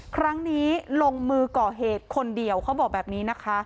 ครั้งนี้ลงมือก่อเหตุคนเดียวเขาบอกแบบนี้นะคะ